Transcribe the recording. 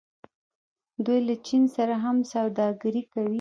دوی له چین سره هم سوداګري کوي.